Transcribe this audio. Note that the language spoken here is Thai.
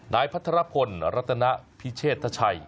พัทรพลรัตนพิเชษทชัย